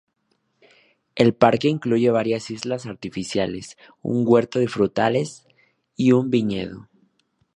El parque incluye varias islas artificiales, un huerto de frutales y un viñedo.